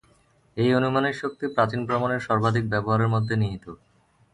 এই অনুমানের শক্তি প্রাচীন প্রমাণের সর্বাধিক ব্যবহারের মধ্যে নিহিত।